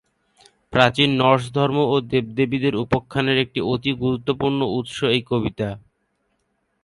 প্রাচীন নর্স ধর্ম ও দেবদেবীদের উপাখ্যানের এক অতি গুরুত্বপূর্ণ উৎস এই কবিতা।